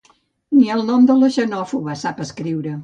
Ni el nom de la xenòfoba sap escriure